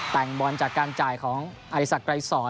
แต่งบอลจากการจ่ายของอธิสักไกรสอน